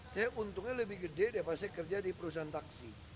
saya untungnya lebih gede daripada saya kerja di perusahaan taksi